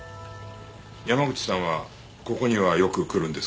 山口さんはここにはよく来るんですか？